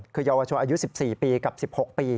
คือเยาวชนอายุ๑๔ปีกับ๑๖ปี